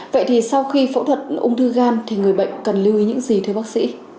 vậy thì sau khi phẫu thuật ung thư gan thì người bệnh cần lưu ý những gì thưa bác sĩ